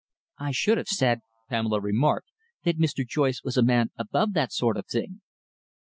"I should have said," Pamela remarked, "that Mr. Joyce was a man above that sort of thing."